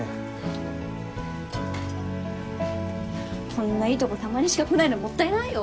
こんないいとこたまにしか来ないのもったいないよ。